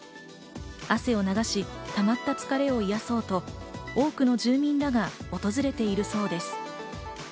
汗を流したり、溜まった疲れを癒やそうと多くの住民らが訪れているそうです。